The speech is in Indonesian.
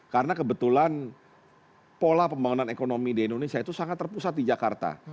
karena kebetulan pola pembangunan ekonomi di indonesia itu sangat terpusat di jakarta